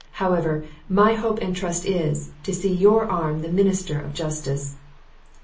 However, my hope and trust is, to see your arm the minister of justice."